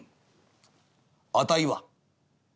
「値は？」。